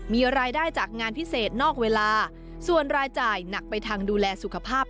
มีรายได้จากงานพิเศษนอกเวลาส่วนรายจ่ายหนักไปทางดูแลสุขภาพ